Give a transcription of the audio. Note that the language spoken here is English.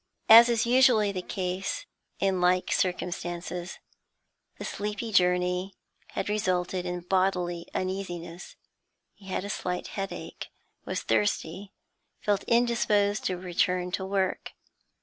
As is usually the case in like circumstances, the sleepy journey had resulted in bodily uneasiness; he had a slight headache, was thirsty, felt indisposed to return to work.